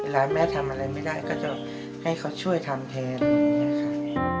แล้วแม่ทำอะไรไม่ได้ก็จะให้เขาช่วยทำแทนอย่างนี้ค่ะ